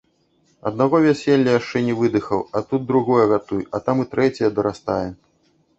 Аднаго вяселля яшчэ не выдыхаў, а тут другое гатуй, а там і трэцяе дарастае.